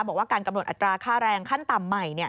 บอกว่าการกำหนดอัตราค่าแรงขั้นต่ำใหม่